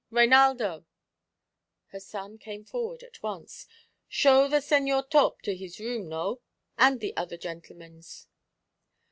Reinaldo!" Her son came forward at once. "Show the Señor Torp to his room, no? and the other gentlemens."